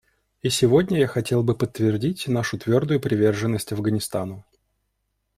И сегодня я хотел бы подтвердить нашу твердую приверженность Афганистану.